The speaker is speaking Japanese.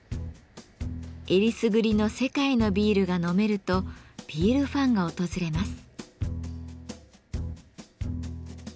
選りすぐりの世界のビールが飲めるとビールファンが訪れます。